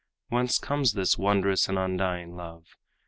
Whence comes this wondrous and undying love?